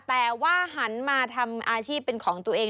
แต่ว่าหันมาทำอาชีพเป็นของตัวเอง